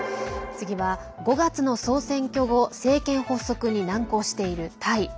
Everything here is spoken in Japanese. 次は５月の総選挙後政権発足に難航しているタイ。